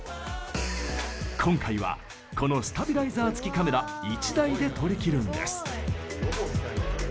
今回はこのスタビライザー付きカメラ１台で撮り切るんです。